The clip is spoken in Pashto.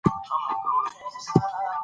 آب وهوا د افغانستان د ښاري پراختیا یو سبب دی.